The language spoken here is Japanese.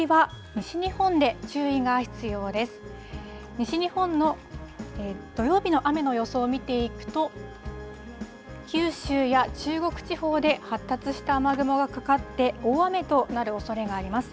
西日本の土曜日の雨の予想を見ていくと、九州や中国地方で発達した雨雲がかかって、大雨となるおそれがあります。